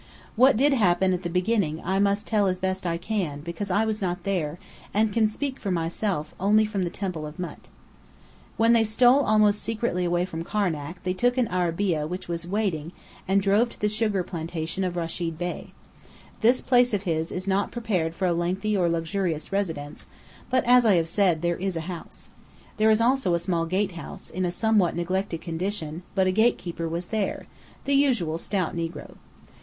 What did happen at the beginning I must tell as best I can, because I was not there, and can speak for myself only from the Temple of Mût. When they stole almost secretly away from Karnak, they took an arabeah which was waiting and drove to the sugar plantation of Rechid Bey. This place of his is not prepared for a lengthy or luxurious residence; but as I have said, there is a house. There is also a small gatehouse, in a somewhat neglected condition; but a gatekeeper was there: the usual stout negro.